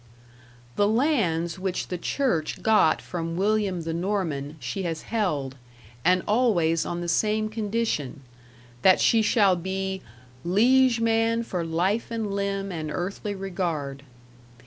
The lands which the church got from William the Norman, she has held, and always on the same condition that she shall be "liege man for life and limb and earthly regard".